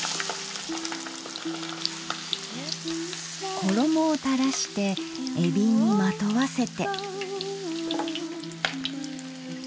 衣を垂らしてえびにまとわせて。